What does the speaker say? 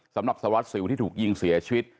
สำหรับสารวัสสิวที่ถูกยิงเสียชีวิต